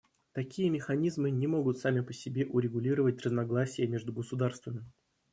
Такие механизмы не могут сами по себе урегулировать разногласия между государствами.